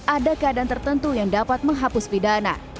ada keadaan tertentu yang dapat menghapus pidana